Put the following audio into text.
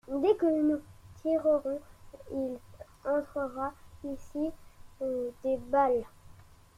Dès que nous tirerons, il entrera ici des balles.